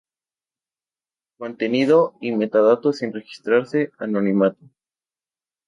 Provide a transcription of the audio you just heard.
contenido y metadatos sin registrarse, anónimato